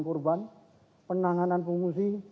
korban penanganan pengumusi